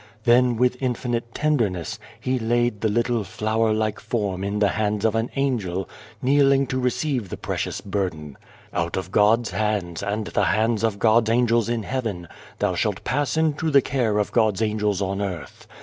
Then with infinite tenderness He laid the little flower like form in the hands of an angel, kneeling to receive the precious burden :" 'Out of God's hands, and the hands of God's angels in heaven, thou shalt pass into the care of God's angels on earth.